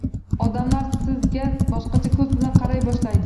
Odamlar sizga boshqacha koʻz bilan qaray boshlaydi